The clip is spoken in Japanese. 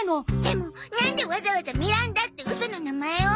でもなんでわざわざミランダってウソの名前を？